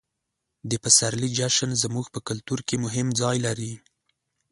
د پسرلي جشن زموږ په کلتور کې مهم ځای لري.